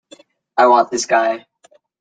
I want this guy.